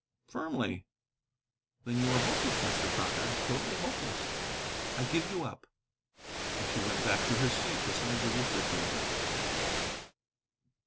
"Firmly." "Then you are hopeless, Mr. Crocker, totally hopeless. I give you up." And she went back to her seat beside the refrigerator.